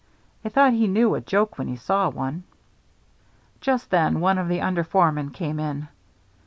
I thought he knew a joke when he saw one." Just then one of the under foremen came in.